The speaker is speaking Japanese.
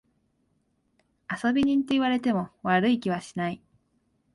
遊び人と言われても悪い気はしない。